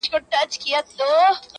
چې څومره یې خیال وی